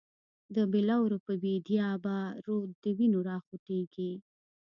دبلورو په بیدیا به، رود دوینو راخوټیږی